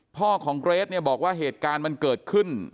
พ่อของเกรทเนี่ยบอกว่าเหตุการณ์มันเกิดขึ้น